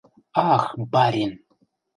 — Ах, барин!